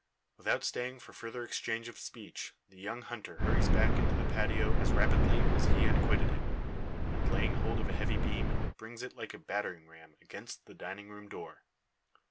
Without stayin' for further exchange of speech, the young hunter hurries back into the patio as rapidly as he had quitted it; and laying hold of a heavy beam, brings it like a battering ram, against the dining room door.